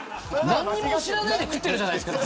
何も知らないで食ってるじゃないですか。